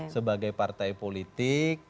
sebagai partai politik